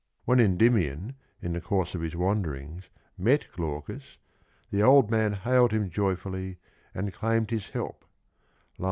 When Endymion in the course of his wanderings met Glaucus, the old man hailed him joyfully and claimed his help (234).